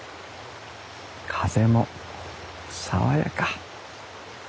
風も爽やか。